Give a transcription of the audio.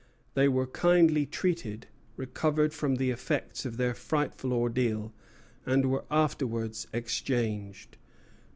They were kindly treated, recovered from the effects of their frightful ordeal, and were afterwards exchanged.